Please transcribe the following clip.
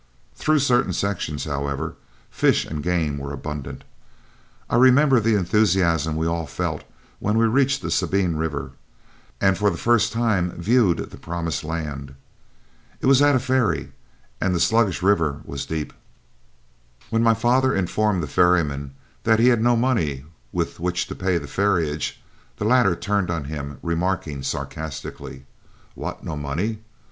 Through certain sections, however, fish and game were abundant. I remember the enthusiasm we all felt when we reached the Sabine River, and for the first time viewed the promised land. It was at a ferry, and the sluggish river was deep. When my father informed the ferryman that he had no money with which to pay the ferriage, the latter turned on him remarking, sarcastically: "What, no money?